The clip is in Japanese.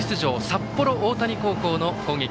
札幌大谷高校の攻撃。